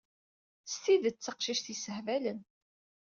S tidet d taqcict yessehbalen.